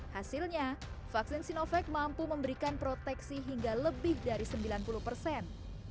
hasilnya vaksin sinovac mampu memberikan proteksi hingga lebih dari sembilan puluh persen